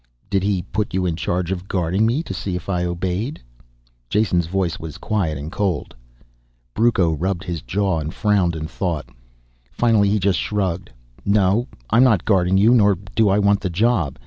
"Did he put you in charge of guarding me to see if I obeyed?" Jason's voice was quiet and cold. Brucco rubbed his jaw and frowned in thought. Finally he just shrugged. "No, I'm not guarding you nor do I want the job.